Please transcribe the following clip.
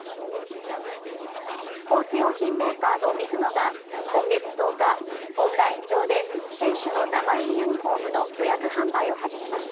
スポーツ用品メーカーのミズノが今月１０日、オンライン上で選手の名前入りユニホームの予約販売を始めました。